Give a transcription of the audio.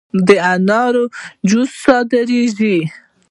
د انارو جوس صادریږي؟